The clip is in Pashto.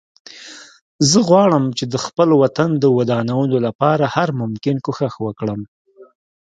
زه غواړم چې د خپل وطن د ودانولو لپاره هر ممکن کوښښ وکړم